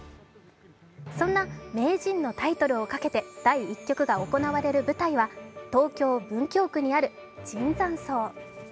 そんな名人のタイトルをかけて第１局が行われる舞台は東京・文京区にある椿山荘。